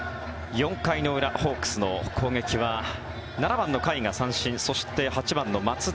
４回の裏ホークスの攻撃は７番の甲斐が三振そして、８番の松田